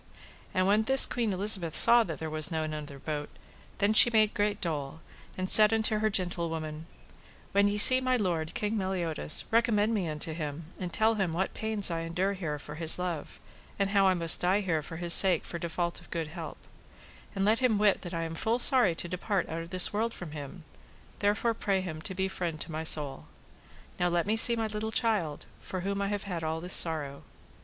And when this Queen Elizabeth saw that there was none other bote, then she made great dole, and said unto her gentlewoman: When ye see my lord, King Meliodas, recommend me unto him, and tell him what pains I endure here for his love, and how I must die here for his sake for default of good help; and let him wit that I am full sorry to depart out of this world from him, therefore pray him to be friend to my soul. Now let me see my little child, for whom I have had all this sorrow.